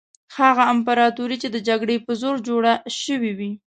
هغه امپراطوري چې د جګړې په زور جوړه شوې وي.